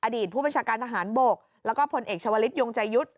อดีตผู้บัญชาการทหารโบกและผลเอกชวริตยุงใจยุทธ์